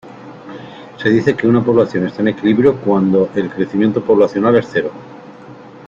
Se dice que una población está en equilibrio cuando el crecimiento poblacional es cero.